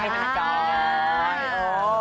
ให้ทั้งจอบ